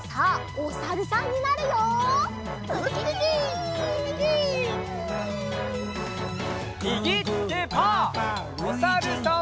おさるさん。